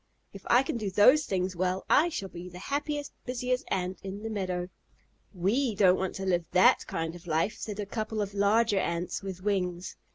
If I can do those things well, I shall be the happiest, busiest Ant in the meadow." "We don't want to live that kind of life," said a couple of larger Ants with wings.